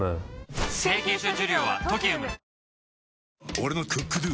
俺の「ＣｏｏｋＤｏ」！